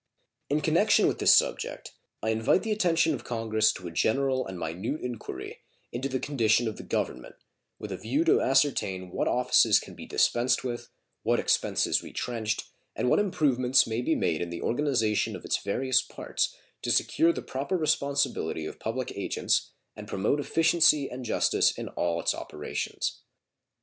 In connection with this subject I invite the attention of Congress to a general and minute inquiry into the condition of the Government, with a view to ascertain what offices can be dispensed with, what expenses retrenched, and what improvements may be made in the organization of its various parts to secure the proper responsibility of public agents and promote efficiency and justice in all its operations.